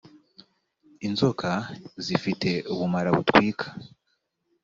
inzoka zifite ubumara butwika